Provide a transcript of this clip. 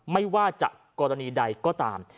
ไม่ว่าจะกรณีใดก็ตาม